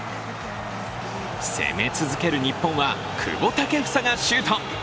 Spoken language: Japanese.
攻め続ける日本は久保建英がシュート。